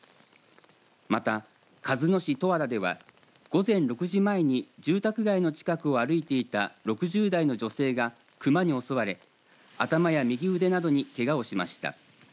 また、鹿角市十和田では午前６時前に住宅街の近くを歩いていた６０代の女性が熊に襲われ頭や右腕などにけがをしました。